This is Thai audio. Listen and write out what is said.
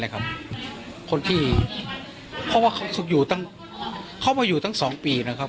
คนที่เพราะว่าเขาอยู่ตั้งเขามาอยู่ตั้ง๒ปีนะครับ